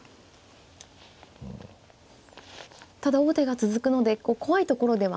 ただ王手が続くので怖いところでは。